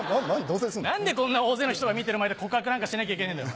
何でこんな大勢の人が見てる前で告白なんかしなきゃいけねえんだ。